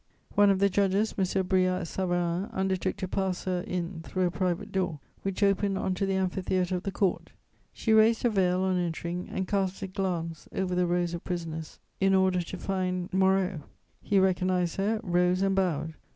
One of the judges, M. Brillat Savarin, undertook to pass her in through a private door which opened on to the amphitheatre of the court. She raised her veil, on entering, and cast a glance over the rows of prisoners in order to find Moreau. He recognised her, rose and bowed.